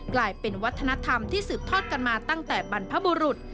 กลายเป็นวัฒนธรรมที่สืบทอดกันมาตั้งแต่บรรพบุรุษ